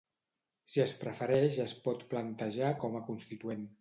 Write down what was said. Si es prefereix es pot plantejar com a constituent.